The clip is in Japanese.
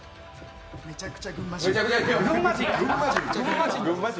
めちゃくちゃ群馬人。